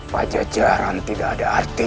pajajaran tidak ada artinya